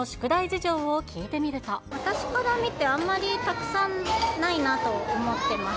私から見て、あんまりたくさんないなと思ってます。